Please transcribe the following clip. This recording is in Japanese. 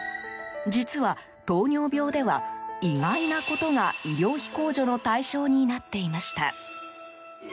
実は、糖尿病では意外なことが医療費控除の対象になっていました。